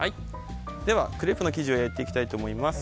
ではクレープの生地を焼いていきたいと思います。